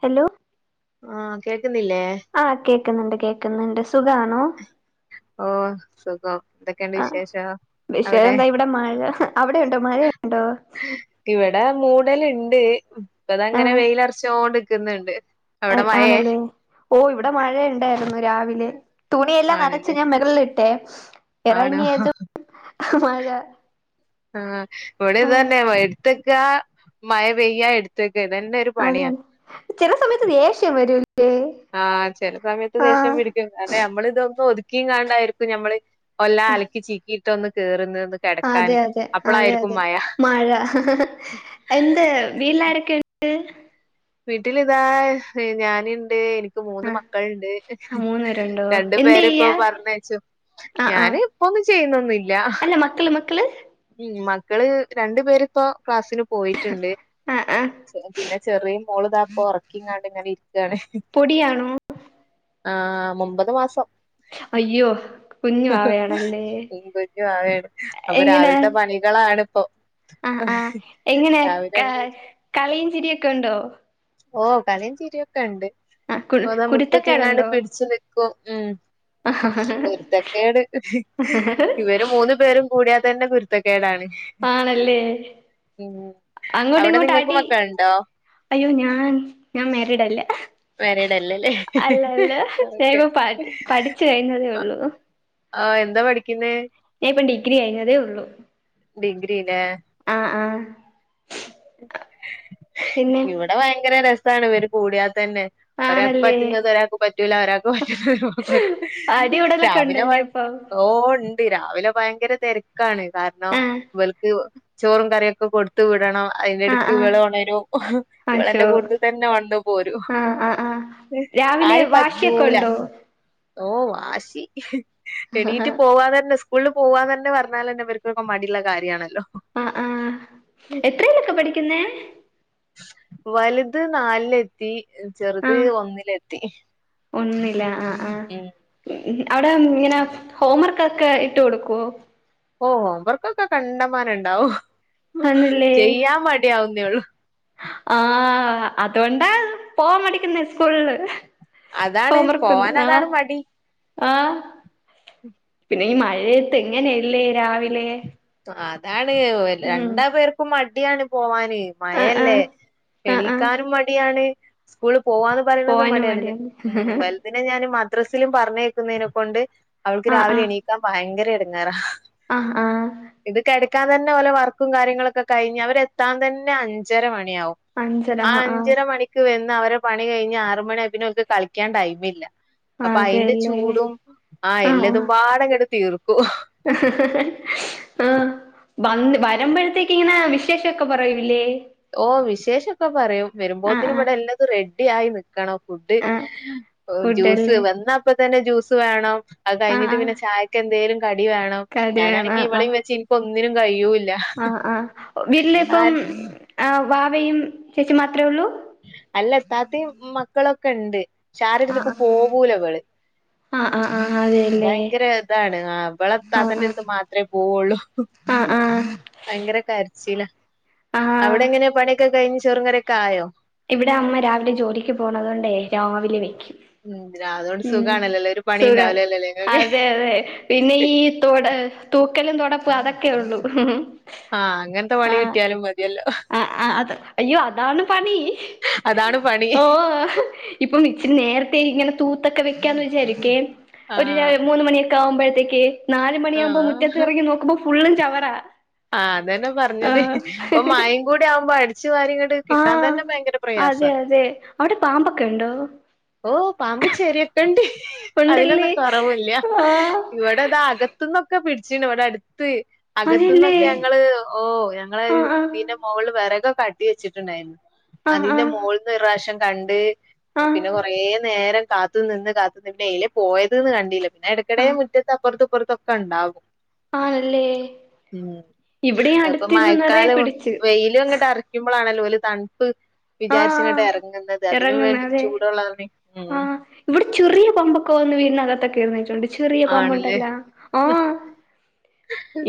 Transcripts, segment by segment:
Hello ആഹ് കേക്കുന്നില്ലേ കേുന്നുണ്ട് കേൾക്കുന്നുണ്ട് സുഖമാണോ ഓ സുഖം എന്തൊക്കെയണ്ട് ആഹ് വിശേഷം വിഷയം അവിടെ എന്താ ഇവിടെ മഴ അവിടെ ഉണ്ടോ മഴുണ്ടോ ഇവിടെ മൂടലുണ്ട് ഇപ്പതങ്ങനെ ആഹ് വെയിലറച്ചോണ്ടിക്കുന്നുണ്ട് ആണല്ലേ ഓ ഇവിടെ മഴ ഉണ്ടായിരുന്നു രാവിലെ തുണിയെല്ലാം ആണല്ലേ നനച്ച് ഞാൻ മുകളിലിട്ടെ ആണോ അ മഴ ആഹ് വടിം ആഹ് തന്നെ വ എടുത്തക്കാ മഴ പെയ്യാ എടുത്തക്ക ഇതന്നെ ഒരു അതെ പണിയാ ചില സമയത്ത് ദേഷ്യം വരൂല്ല ആന്ന് ചെല സമയത്ത് ദേഷ്യം പിടിക്കും അതെ നമ്മള ഇതൊന്നും ഒതുക്കിയും കാണ്ടായിരിക്കും ഞമ്മള് ഒല്ല അലക്കി ചീക്കിയിട്ടൊന്ന് കേയറുന്ന അതെ അതെ അതെ അതെ മഴ എന്ത് പിള്ളാരക്ക ന്ത് വീട്ടിൽ ഇതാ ഞാനിണ്ട് എനി മൂന്ന് മക്കളുണ്ട് ആഹ് മൂന്ന് പേരുണ്ടോ രണ്ടു എന്ത് പേരപ്പൊ ചെയ്യാ പറഞ്ഞച്ചോ ആഹ് ഞാന ആഹ് ഇപ്പ ചെയ്യുന്നന്നില്ല അല്ല മക്കള് മക്കള് മക്കള് രണ്ടു പേരിപ്പോ ക്ലാസിന് പോയിട്ടുണ്ട് ആഹ് ആഹ് പിന്നെ ചെറിയ മോള് താപ്പ ഉറക്കിങ്ങാണ്ട് ഇങ്ങനെ ഇ പൊടിയാണോ ആ ഒമ്പത് മാസം അയ്യോ കുഞ്ഞു വാവയാണല്ലേ ഉം കുഞ്ഞു വാവേണ് അപ്പൊ രാവിലത്തെ പണികളാണ്പ്പൊ ആ ആ എങ്ങനെ കാ അങ്ങ് കളിയും ചിരിയൊക്കെ ഉണ്ടോ ഓ കളി ചിരിയൊക്കെണ്ട് ഇ ആഹ് കു പോതാ മുട്ട്ത്തീങ്ങാണ്ട് കുരുത്തക്കേടുണ്ടോ പിടിച്ച് നിക്കും ഉം കുരുത്തക്കേട് ഇവര് മൂന്നു പേരും കൂടിയാത്തന്നെ കുരുത്തക്കേടാണ് ആണല്ലേ ഉം അവിടെ അങ്ങോട്ടിങ്ങോട്ട് നിങ്ങൾക്ക് അടി മക്കളുണ്ടോ അയ്യോ ഞാൻ ഞാ മാരിഡല്ല മാരീഡ് അല്ലല്ലേ അല്ലല്ല ഓക്കെ ഞാഇപ്പോ പ പഠിച്ചു കഴിഞ്ഞതേ ഉള്ളൂ ആ എന്താ പഠിക്കുന്നേ ഞാ ഇപ്പം ഡിഗ്രി കഴഞ്ഞതേ ഉള്ളു ഡിഗ്രിലേ ആ ഇവിടെ വയങ്കര രസാണ് ഇവര് കൂടിയാ തന്നെ ഒരാൾക്ക് ആണല്ലേ പറ്റുന്നത് ഒരാൾക്ക് പറ്റൂല ഒരാൾക്ക് പറ്റുന്നത് അടികൂടലൊക്കെ രാവിലെ വ ഉണ്ടല്ലേ അപ്പൊ ഓ ണ്ട് രാവിലെ ഭയങ്കര തെരക്കാണ് കാരണം ആഹ് ഇവൽക്ക് ചോറും കറിയൊക്കെ കൊടുത്ത് വിടണം ആഹ് ആഹ് ഇവളുണരും ഇവളെൻ്റെ അശോ കൂടത്ത് തന്നെ ഒണെന്നു പോരും ആഹ് ആഹ് ആഹ് രാവിലെ വാശിയൊക്കെ ആരെപറ്റൂല ഉണ്ടോ ഓ വാശി ആഹ് എണീറ്റ് പോവാന്നന്നെ സ്കൂള് പോവാന്നന്നെ പറഞ്ഞാലെന്നെ ഇവര്ക്ക്പ്പൊമടിള്ള കാര്യാണല്ലോ അ ആ എത്രയിലൊക്കെ പഠിക്കുന്നേ വലുത് നാലിലെത്തി ചെറുത് ഒന്നിലെത്തി ഒന്നിലാ ആ ഉം അവിടെ ഇങ്ങനെ ഹോം വർകൊക്കെ ഇട്ട് കൊടുക്കുവോ ഓ ഹോംവർക്കൊക്കെ കണ്ടമാനണ്ടാവും ആണല്ലേ ചെയ്യാ മടിയാവുന്നേള്ളു ആ അതുകൊണ്ടാ പോവാ മടിക്കുന്നെ സ്കൂളില് അതാണ് പോവാൻ ഹോംവർക്ക്ണ്ട് ആ അതാണ് മടി ആ പിന്നെ ഈ മഴേ ഏത്ത് എങ്ങനെല്ലേ രാവിലെ അതാണ് ഉം രണ്ടപേർക്കും മ ടിയാണ് പോവാന് ആഹ് മയല്ലേ ആഹ് ആഹ് ആഹ് എണീക്കാനും മടിയാണ് സ്കൂള് പോവാന്ന് പറയുന്നത് പോവാനും മടിയാണ്ഞ മടിയാണ് ഉം വൽതിനെ ഞാൻ മദ്രസിലും പറഞ്ഞയക്കുന്നതിനെ കൊണ്ട് അവൾക്ക് രാവിലെ എണീക്കാ ഭയങ്കര എടുങ്ങേറാ ആ ഇത് കെട്ക്കാൻ തന്നെ ഓലെ വർക്കും കാര്യങ്ങളൊക്കെ കഴിഞ്ഞ് അവരെത്താൻ തന്നെ അഞ്ചര മ ണിയാവും അഞ്ചര ആ ആഹ് ആഹ് അഞ്ചര മണിക്ക് വെന്നവരെ പണി കഴിഞ്ഞ് ആറ് മണിആയ പിന്നെ ഒൽക്ക് കളിക്കാൻ ടൈമില്ല അപ്പൊ അയിന്റെ അതെല്ലേ ചൂടും ആ എല്ലതും പാടങ്ങട്ട് തീർക്കും ആ വന്ന് വരുമ്പഴത്തേ ക്ങ്ങനെ വിശേഷൊക്കേ പറയുല്ലേ ഓ വിശേഷൊക്കെ പറയും ആഹ് ആഹ് വരുമ്പോത്തിനുഇവിടെ എല്ലതും റെഡി ആയി നി ക്കണം ഫുഡ് ആഹ് ഓ ജ്യൂസ് ഫുഡല്ലേ വന്നപ്പ തന്നെ ജ്യൂസ് വേണം അത് ആഹ് കഴിഞ്ഞിട്ട് ആഹ് പിന്നെ ചായക്കെന്തേലും കടി വേണം കറിയാണ് ഞാനാണെങ്കി ഇവളീംവെച്ച് ഇനിക്കൊന്നിനും കഴിയൂ ആ ആവീട്ടിലിപ്പം ആ വാവയും ചേച്ചി മാത്രേ ഉള്ളൂ അല്ല ഇത്താത്തയും മക്കളൊക്കെണ്ട് ചാരടുത്തുക്കും പോകൂലവള് ആ ആ അ ഭയങ്കര ഇതാണ് ആാ അവള് ആഹ് താത്തന്റെ അട്ത്ത് ആഹ് മാത്രമേ പോവുള്ളു ആഹ് ആഹ് ഭയങ്കര കരച്ചിലാ ആഹ് അവടെ എങ്ങനെയാ പണിയൊക്കെ കഴിഞ്ഞ് ചോറും കറിയോക്കെ ആയോ ഇവടെ അമ്മ രാവിലെ ജോലിക്ക് പോണാത് കൊണ്ടോ രാവിലെ വെക്കും ഉം അതോണ്ട് ഉം സുഖാണല്ലോല്ലേ ഒരു പണി സുഖം ഉണ്ടാവില്ലല്ലോല്ലേ ഇങ്ങക്ക് അതെ അതെ പിന്നെ ഈ [unintelligible] തൂക്കലും തെടാപ്പും അതൊക്കെ ഒള്ളൂ ഉം ഉം ആാ അങ്ങനത്തെ പണി കിട്ടിയാലും മതിയല്ലോ ആഹ് ആഹ് അത് അയ്യോ അതാണ് പണി അതാണ് പണി ഓ ഇപ്പം [unintelligible] നേരത്തെ ഇങ്ങനെ തൂത്തൊക്കെ വെക്കാന്ന് വിച്ചാരിക്കേ ഒര് രെ ആഹ് മൂന്ന് മണിയൊക്കെ ആവുമ്പോഴത്തേക്കേ നാല് മണിയാവുമ്പോ ആഹ് മുറ്റത്ത് എറങ്ങി നോക്കുമ്പോ ഫുള്ളും ചവറാ ആാ അത് തന്നെ പറഞ്ഞത് ആഹ് ഇപ്പം മായയും കൂടി ആവുമ്പോ അടിച്ച് [unintelligible] കിട്ടാൻ ആഹ് തന്നെ പൈയ്ങ്കര പ്രയാസ അതെ അതെ അവിടെ പാമ്പൊക്കെ ഉണ്ടോ ഓ പാമ്പ്, ചെരിയൊക്കെ ഒണ്ട് ഉണ്ടല്ലേ അതിനൊന്നും കൊറാവുല്ല ആഹ് ഇവടെ അതാ അകത്തന്നൊക്കെ പിടിച്ചിനി ഇവടെ അട് അതല്ലേ അകത്തനോക്കെ അങ്ങള് ഓ ഞങ്ങള് ആഹ് ആഹ് വീട്ടിന്റെ മോകള്ല് വേറകൊ കട്ടി വെച്ചിട്ടുണ്ടായിരുന്നു ആഹ് അതിന്റെ ആഹ് മോള് ഒര് പ്രാവശ്യം കണ്ട് ആഹ് പിന്നെ കൊറേ നേരം കാത്തു നിന്ന് കാത്തു നിന്ന് പിന്നെ എയ്ലേ പോയതേന്ന് കണ്ടീല്ലാ പിന്നെ എടക്കെടേയും മുറ്റത്ത് അപ്പൊറത്തും ഇപ്പോറത്തൊക്കെ ഒണ്ടാവും ആണ് അല്ലേ ഇപ്പം മഴക്കാലം വെയിലും അങ്ങോട്ട് അറക്ക്മ്പോളാണല്ലോ തണുപ്പ് വിചാരിച്ചങ്ങോട്ട് ആഹ് എറങ്ങാന്നത് അതിന് ഇറങ്ങുന്ന വേണ്ടി അതെ ചൂടൊള്ളതണെ ഉം ഇപ്പോ ഒന്ന് വീടിനക [unintelligible] ചെറിയ ആണ്ല്ലേ പമ്പുണ്ടാല്ലോ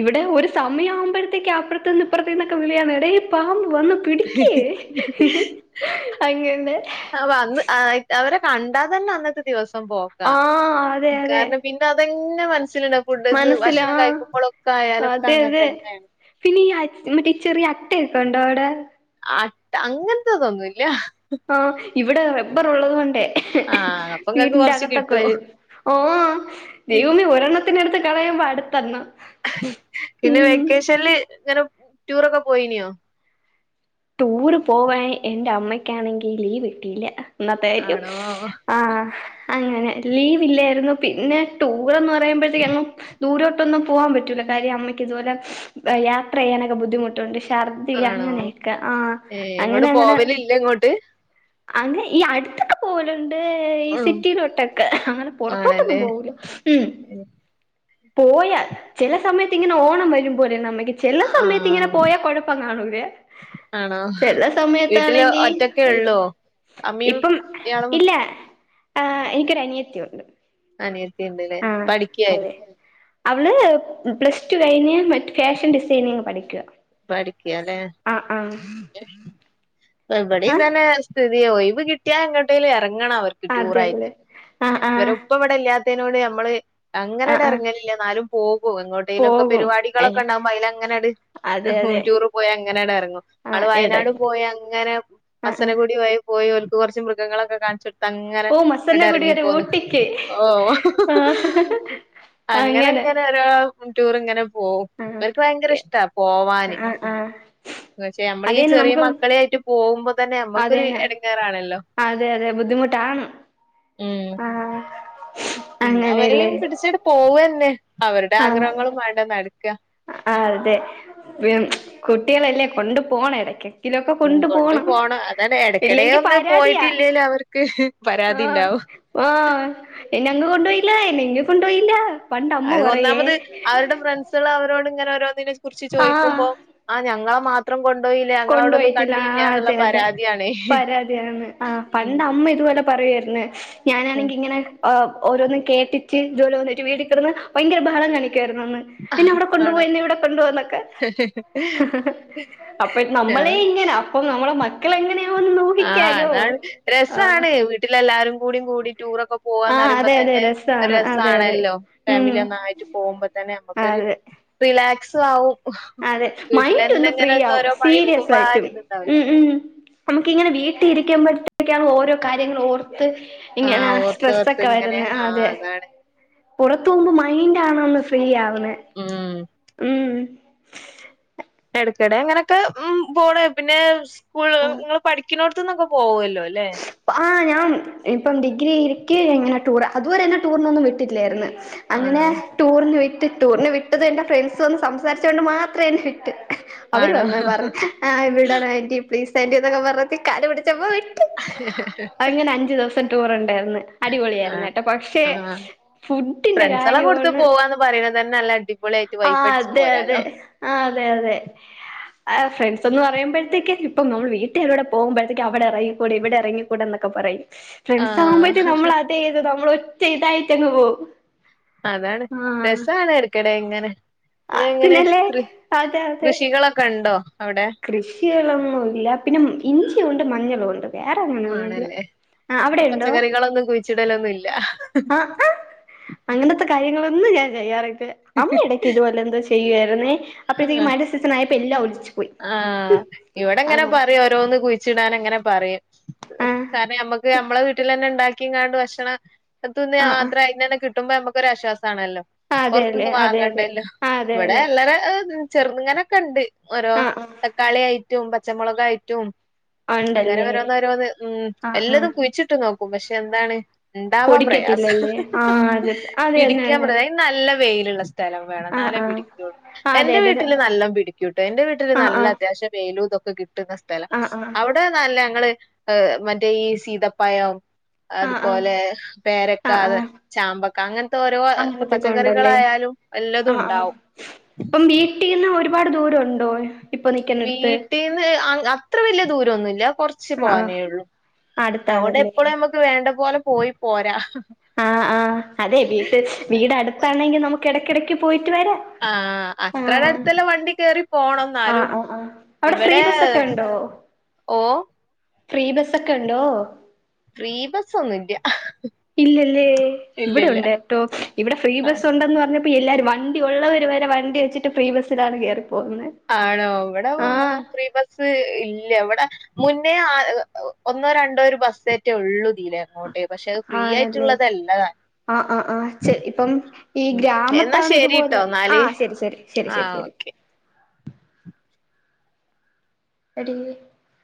ഇവടെ ഒര് സമയവ്മ്പോഴത്തേക്ക് അപ്പ്റാത്തന്ന് ഇപ്പുറത്തന്നൊക്കെ വിളിയാണ് ടെ പാമ്പ് വന്ന് പിടിക്ക് അങ്ങനെ അപ്പൊ അന്ന് അവരെ കണ്ടാ തന്നെ അന്നത്തെ ദിവസം പോക്കാ ആഹ് അതെ അതെ കാരണം പിന്നെ അത് തന്നെ മന [unintelligible] ഫുഡ് ഇത് മനസ്സിലാ ഭക്ഷണം കഴിക്കുമ്പോഴൊക്കെ ആയാലൊക്കെ അങ്ങനെ തന്നെയാ നീങ്ങാടെ വീട്ടി ഈ ചെറിയ ആട്ടേക്കൊണ്ടോ അവടെ ആട്ടാ അങ്ങനതൊന്നും ഇല്ലാ ആാ ഇവടെ റബ്ബർ ഒള്ളത് കൊണ്ടേ ആാ അപ്പം ഇങ്ങാക്ക് വീടിന്റെ കൊറച്ച് അകത്തൊക്കെ കിട്ടൂ വരും ഓ ദെവാമേ ഒരെണ്ണത്തിനെട്ത്ത് കളയ്മ്പോ അട്ത്തെണ്ണം പിന്നെ വെക്കേഷനില് ഇങ്ങനെ ടൂറൊക്കെ പോയിനിയോ ടൂറ് പോവാൻ എൻ്റെ അമ്മയ്ക്കാണെങ്കി ലീവ് കിട്ടിയില്ല അന്നത്തെ ആയിരിക്കും ആണോ ആാ [unintelligible] ലീവ് ഇല്ല്യാര്ന്നു പിന്നെ ടൂറാന്ന് പറയുമ്പോഴത്തേക്ക് എങ്ങും ദൂരോട്ടൊന്നും പോകാൻ പറ്റൂല്ലാ കാര്യം അമ്മയ് ഇതുപലെ യാത്ര ചെയ്യാനൊക്കെ ബുദ്ധിമൊട്ടേണ്ട് ഛർദ്ദില് ആണോ അങ്ങനെ ആ ഏഹ് അങ്ങനെ എങ്ങോട്ട് അങ്ങനെ പോവലില്ല ഇങ്ങോട്ട് അങ്ങ് ഈ അടുത്തോക്കെ പോലും യ് ഈ ആഹ് സിറ്റിയിലോട്ടൊക്കെ അങ്ങനെ പൊറത്തോട്ടൊന്നും ആണല്ലേ പോവൂല്ലാ ഉം പോയാ ചെല സമയത്ത് ഇങ്ങനെ ഓണം വെര്മ്പോ പോലെയാണ് അമ്മക് ചെല സമയത്ത് ഇങ്ങനെ ആഹ് പോയാ കൊഴപ്പം കാണൂല്ലാ ആണോ ചെല വീട്ടില് സമയത്താണെങ്കി ഒറ്റക്കെ ഉള്ളോ [unintelligible] അമ്മയും ഇപ്പം ഇയാളും ഇല്ല ആാ എനിക്കൊര് അനിയത്തിയെണ്ട് അനിയത്തിയേണ്ടാല്ലേ പഠിക്ക്യാ അവള് പ്ലസ് ടു കഴിഞ്ഞ് മറ്റ് ഫാഷൻ ഡിസൈനിങ് പഠിക്ക്യവാ പഠിക്ക്യാല്ലോ ഇവടെയും ഇത് ആഹ് തന്നെ സ്ഥിതി ഓയവ് കിട്ടിയാ എങ്ങോട്ടേലും എ- ഇറങ്ങണം അവർക്ക് ടൂറായിട്ട് അതെല്ലേ ആഹ് ഇരേ ആഹ് ഉപ്പാ ഇവടെ ഇല്ലാത്തതിനോട് ഞമ്മള് അങ്ങനെ ആഹ് ഒരാ ആഹ് എറങ്ങലില്ലേ എന്നാലും പോകും എങ്ങോട്ടേലോക്കെ പോകും പരിപാടികളൊക്കെ ഒണ്ടാവുമ്പോ അല് അങ്ങനെ അട് അതെ അതെ ടൂർ പോയി അങ്ങനെടെ എറങ്ങും ആ ആള് എടെ വയനാട് പോയി അങ്ങനെ ആ ആ വസനകുടി വൈയി പോയി ഓര്ക്ക് കൊറച്ച് മൃഗങ്ങളൊക്കെ കാണിച്ച് അങ്ങനെ ഓ മസന്ന ഇങ്ങട് കുടികര എറങ്ങിപ്പോന്ന് ഊട്ടിക്ക് ഓ ആ അങ്ങനെ ഇങ്ങനെ ഒരു ടൂർ ഇങ്ങനെ പോവും ആ ഇവർക്ക് ഭയങ്കര ഇഷ്ടാ പോവാന് ആ ആ പക്ഷെ നമ്മള ഈ അതന്നെ ചെറിയ നമുക്ക് മക്കളൊയിട്ട് പോകും.. തന്നെ നമ്മക്കൊരു അതന്നെ ഇടങേറാണല്ലോ.. അതെ അതെ ബുദ്ധിമുട്ടാണ് ഏ ആ പിന്നെ അങ്ങനെയല്ലേ അവരെയും പിടിച്ചിട്ട് പോവ തന്നെ അവരുടെ ആ ആഗ്രഹങ്ങളും വേണ്ട... ആ അതെ പിം കുട്ടികളല്ലേ കൊണ്ടു പോണ ഇടക്ക്... എലൊക്കെ ഉം കൊണ്ടു പോണം അതാണ് ഇടക്കിടെ ഇല്ലെങ്കിൽ ഒന്ന് പരാതിയാ പോയിട്ടില്ലേലും അവർക്ക് പരാതി ആഹ... ഉണ്ടാവും ആ് എന്നെ അങ്ങ് കൊണ്ടുപോയില്ല.... എന്നെങ്കും കൊണ്ടുപോയില്ല... അത ഒന്നാമത് അവരുടെ ഫ്രണ്ട്സുകൾ അവരോട് ഇങ്ങനെ ഓരോന്നിന... കുറിച്ച് ആ ചോദിക്കുമ്പോ ആ ഞങ്ങളാ മാത്രം കൊണ്ടോ.... കൊണ്ട പോയിട്ടില്ല.. ആ അതെ അതെ പരാതിയാണേ പരാതിയാണ് ആ പണ്ട് അമ്മ ഇതുപോലെ. പറയാരുന്നു ഞാനാണെങ്കി ഇങ്ങനെ.. ഓരോന്ന കേട്ടിട്ട് ജോലി വന്നിട്ട വീട് കിന്ന് ഭയങ്കര ബഹളം കാണിക്ക.. ഇന്ന അവിടെ കൊണ്ടു ആണോ പോയി ഇവിടെ കൊണ്ട പോന്നൊക്കെ... അപ്പൊ നമ്മളെ ഇങ്ങനെ അപ്പൊ നമ്മുടെ മക്കൾ എങ്ങനെയ... ആ് അതാണ് രസാണ് വീട്ടിലെല്ലാരും കൂടും കൂടി.. ടൂറൊക്കെ ആ പോകന്ന് പറയുമ്പോ അതെ അതെ തന്നെ രസാണ് അതെ അതെ രസമാണല്ലോ ഉം ഫാമിലി ഒന്നായിട്ട് പോകുമ്പോ തന്നെ നമുക്കൊരു.. അതെ റിലാക്സ്... അതെ മൈൻഡ് ഒന്ന് ഫ്രീ ഇങ്ങനെ ആവും ഓരോ പണി സീരിയസ് എടുക്കുമ്പോ ആ ആയിട്ടും ഉ ഒരിതുണ്ടാവില്ലല്ലോ ഉ... നമുക്ക ഇങ്ങനെ വീട്ടിൽ ഇരിക്കുമ്പോഴത്തേക്കാണ് ഓരോ കാര്യങ്ങളൾ ഓർ.. ഇങ്ങനെ ആഹ് ഓർത്തോർത്ത് സ്ട്രെസ്സൊക്കെ ഇങ്ങനെ വരുന്ന ആഹ് അതെ അതാണ് പുറത്തു പോകുമ്പോ മൈൻഡ ആണന്ന് ഫ്രീ ആവണ് ഉം ഉം. [inaudible] ഇടക്കിടെ അങ്ങനെയൊക്കെ ഉ പോണ പിന്നെ സ്കൂള് ആഹ് നിങ്ങൾ പഠിക്കുന്നോടത്ത്ന്നൊക്കെ പോവല്ലോ.. ല്ലേ ആഹ് ഞാൻ ഇപ്പം ഡിഗ്രി ഇരിക്കെ ഇങ്ങനെ ടൂറാ. അതുവരെ എന്നെ ടൂറിനൊന്നും വിട്ടില്ലാരുന്നു. അങ്ങനെ ആണോ ടൂറിന് വി ടൂറിന് വിട്ടത് എന്റെ ഫ്രണ്ട്സ് വന്ന് സംസാരിച്ചോണ്ട് മാത്ര എന്നെ വിട്ട്. അവര് ആണോ വന്ന പറഞ്ഞ. ആഹ് വിടണ ആന്റി പ്ലീസ് ആന്റിന്നൊക്കെ പറഞ്ഞിട്ട് കാല് പിടിച്ചപ്പോയ് ണ്ടേര്ന്ന്. അടിപൊളിയായിരുന്നു ആഹ് കെട്ടോ പക്ഷെ ആഹ് ഫുഡിന്റെ ഫ്രണ്ട്സെളെ കൂടത്ത് കാര്യവാന്ന് പോവാന്ന് പറയ്ണത് തന്നെ നല്ല അടിപൊളിയായിട്ട് ആഹ് വൈബടിച്ച് അതെ അതെ പോരാലോ ആഹ് അതെ അതെ ആഹ് ഫ്രണ്ട്സ് ഒന്ന് പറയുമ്പഴത്തേക് ഇപ്പ നമ്മൾ വീട്ടിലൂടെ പോകുമ്പഴത്തേക്ക് അവിടെ എറയിക്കൂടെ ഇവിടെ ഇറങ്ങിക്കൂടെ എന്നൊക്കെ പറയും. ഫ്രണ്ട്സ് ആകുമ്പോഴത്തേ ആഹ് നമ്മൾ അതെ ഇത് നമ്മള ഒറ്റ ഇതായി തന്ന പോവും. അതാണ് രസാണ് എട്ക്കടെ ഇങ്ങനെ. പിന്നെ എങ്ങനെ പിന്നല്ലേ കൃ അതെ അതെ കൃഷികളൊക്കെ ഉണ്ടോ? അവിടെ. കൃഷികളൊന്നുല്ല. പിന്നെ ഇഞ്ചി ഉണ്ട് മഞ്ഞളു ഉണ്ട്. വേറെങ്ങനെയൊന്നുല്ല. ആണല്ലേ ആഹ് അവിടെ ഉണ്ടോ? പച്ചക്കറികളൊന്നും കുഴിച്ചിടലൊന്നും ഇല്ല അ ആഹ് അങ്ങനത്തെ കാര്യങ്ങളൊന്നും ഞാൻ ചെയ്യാറില്ല. അമ്മയിടക്ക് ഇതുപോലെ എന്തോ ചെയ്യുവാര് അപ്പഴത്തേക്ക് ആഹ് മഴന്റെ സീസൺ ആയപ്പ എല്ല ആഹ് ഇവിടെ ഇങ്ങനെ അങ്ങനെ പറയും ഓരോന്ന് കുഴിച്ചിടാൻ എങ്ങനെ പറയും. ആഹ് കാരണം ഞമ്മക്ക് ഞമ്മളെ വീട്ടിലന്നെ ഉണ്ടാക്കിങ്ങാണ്ട് ഭക്ഷണ ആഹ് ആഹ് തുന്നിയാത്ര അയിനന്നെ കിട്ടുമ്പോ നമുക്കൊരാശ്വാസ സാണല്ലോ. അതെല്ലേ പുറത്തുന്ന് അതെ അതെ വാങ്ങണ്ടല്ലോ. ആ അതെ ഇവിടെ അതെ എല്ലറ ചെർന്ന്ങ്ങനൊക്കെ ഉണ്ട്. ഓരോ ആ ആ തക്കാളി ആയിടറ്റും പച്ചമുളകായിറ്റും. അങ്ങനെ ഉണ്ടല്ലേ വരോന്ന് ഓരോന്ന് ഉം ആ ആ എല്ലതും കുഴിച്ചിട്ട് നോക്കും പക്ഷെ എന്താണ് ഇണ്ടാവാൻ പ്രയാസ. പൊടിക്കത്തില്ലല്ലേ ആ അതെ അതെ അതെ പിടിക്കാൻ അതെ പ്രയ നല്ല വെയ് ല്ള്ള സ്ഥലം വേണം ആ എന്നാലേ ആ പിടിക്കുള്ളൂ. ആ അതെ എന്റെ അതെ അതെ വീട്ടില് നല്ലം പിടിക്കൂട്ടൊ. എന്റെ വീട്ടില് ആ നല്ല ആ അത്യാവശ്യ വേലുതൊക്കെ കിട് കിട്ടുന്ന സ്ഥല. ആ ആ അവിടെ നല്ല ഞങ്ങള് ഏഹ് മറ്റേ ഈ സീതപ്പാഴം ആ അതുപോലെ ആ പേരക്ക ആ ആ അത് ചാമ്പക്ക അങ്ങനത്തെ ഓരോ അങ്ങനത്തൊക്കെ ഉണ്ടല്ലേ പച്ചക്കറികളായാലും. വല്ലതും ഉണ്ടാവും ഇപ്പം വീട്ടീന്ന് ഒരുപാട് ദൂരം ഉണ്ടോ ഇപ്പൊ നിക്കുന്നിടുത്ത് വീട്ടീന്ന് അത്ര വല്ല്യ ദൂരൊന്നുല്ല കൊർച്ച് ആ ആ പോവാനേയൊള്ളു അതുകൊണ്ട് അടുത്താണല്ലേ എപ്പളും നമ്മുക്ക് വേണ്ട പോലെ പോയി പോരാ ആഹ് ആഹ് അതെ വീട്ട് വീട് അടുത്താണെങ്കിൽ നമുക്ക് ഇടക്കിടക്ക് പോയിട്ട് വരാ ആഹ് അത്രടെ അടുത്തല്ലാ വണ്ടി കേറി പോണം ആഹ് എന്നാലും ആഹ് ആഹ് അവിടെ ഫ്രീ ഇവടേ ബസ്സൊക്കെ ഉണ്ടോ ഓഹ് ഫ്രീ ബസ്സൊക്കെണ്ടോ ഫ്രീ ബസൊന്നുല്ല്യ ഇല്ല്യലേ ഇവിടെ ഉണ്ട്ട്ടോ ഇവിടെ ഫ്രീ ഇല്ല ബസ് ഉണ്ടെന്ന് പർഞ്ഞ് പി എല്ലാരും വണ്ടി ഉള്ളവര് വരെ വണ്ടി വെച്ചിട്ട് ഫ്രീ ബസ്സിലാണ് കേറി പോകുന്നെ ആണോ ഇവിടെ ആഹ് ഫീ ബസ്സ്‌ ഇല്ല്യ വടെ പക്ഷേ അത് ഫ്രീ ആയിട്ടുള്ളതല്ലതാനും ആ ആ ആഹ് ച്ചെ ഇപ്പം ഈ ഉം എന്നാ ഗ്രാമത്താണ് ശരിട്ടോ ഇതുപോലെ എന്നാല് ആഹ് ശരി ശരി ശരി ശരി ആഹ് ശരി ഓക്കെ എടീ